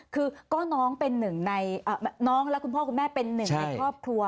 คือก็น้องเป็นหนึ่งในน้องและคุณพ่อคุณแม่เป็นหนึ่งในครอบครัว